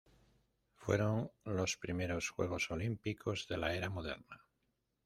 Fueron los primeros Juegos Olímpicos de la Era Moderna.